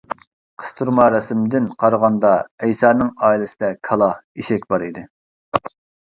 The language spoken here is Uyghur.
قىستۇرما رەسىمدىن قارىغاندا ئەيسانىڭ ئائىلىسىدە كالا، ئېشەك بار ئىدى.